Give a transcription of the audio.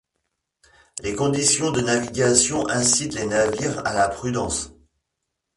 Les conditions de navigation incitent les navires à la prudence.